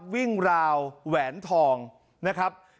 วิ่งราวแหวนทองนะครับ